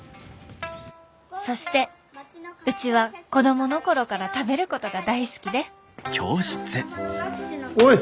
そしてうちは子供の頃から食べることが大好きでおい。